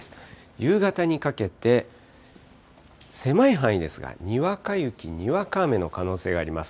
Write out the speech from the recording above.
夕方にかけて、狭い範囲ですが、にわか雪、にわか雨の可能性があります。